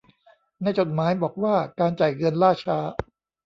ในจดหมายบอกว่าการจ่ายเงินล่าช้า